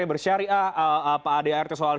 yang bersyariah adart soal